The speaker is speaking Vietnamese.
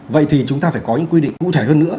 vậy thì chúng ta phải có những quy định cụ thể hơn nữa